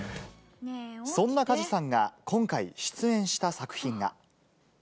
そんな梶さんが、今回出演した作品が。